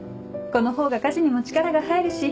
このほうが家事にも力が入るし。